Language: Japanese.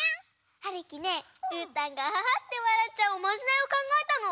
はるきねうーたんがアハハってわらっちゃうおまじないをかんがえたの。